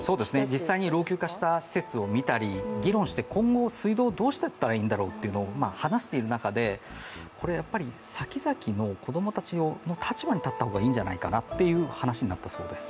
実際に老朽化した施設を見たり持論したり今後水道をどうしていったらいいんだろうと話している中で、さきざきの子供たちの立場に立った方がいいんじゃないかなという話になったそうです。